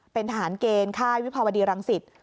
เป็นทหารเกณฑ์ค่ายวิภาวดีรังสิต